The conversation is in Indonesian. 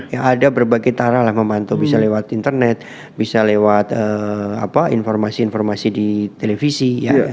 ya ada berbagai cara lah memantau bisa lewat internet bisa lewat informasi informasi di televisi